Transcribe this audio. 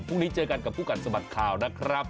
พรุ่งนี้เจอกันกับผู้กันสมัครข่าวนะครับ